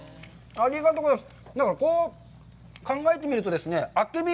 ありがとうございます。